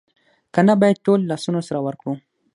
که نه باید ټول لاسونه سره ورکړو